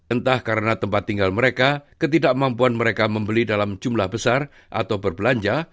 entah karena tempat tinggal mereka ketidakmampuan mereka membeli dalam jumlah besar atau berbelanja